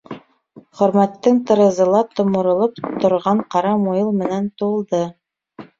Хөрмәттең тырызы ла томоролоп торған ҡара муйыл менән тулды.